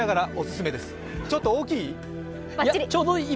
ちょっと大きい？